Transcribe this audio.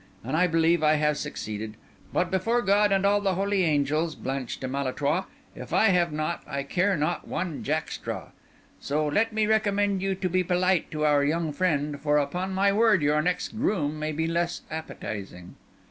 And I believe I have succeeded. But before God and all the holy angels, Blanche de Malétroit, if I have not, I care not one jack straw. So let me recommend you to be polite to our young friend; for upon my word, your next groom may be less appetising."